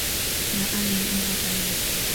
لا أعلم من أين أتى هذا.